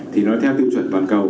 thì nó theo tiêu chuẩn toàn cầu